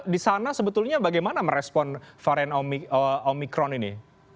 di sana sebetulnya bagaimana merespon varian omikron ini